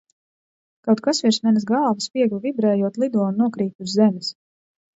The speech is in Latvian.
Kaut kas virs manas galvas, viegli vibrējot, lido un nokrīt uz zemes.